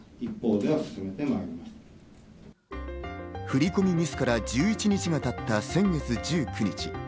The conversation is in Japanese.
振り込みミスから１１日が経った先月１９日。